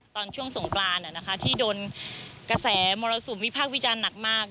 ตอนช่วงสงกรานที่โดนกระแสมรสุมวิพากษ์วิจารณ์หนักมาก